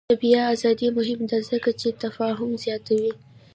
د بیان ازادي مهمه ده ځکه چې تفاهم زیاتوي.